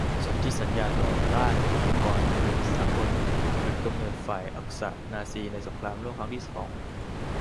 สนธิสัญญาต่อต้านองค์การคอมมิวนิสต์สากล จุดกำเนิด ฝ่ายอักษะ-นาซี ใน สงครามโลกครั้งที่สอง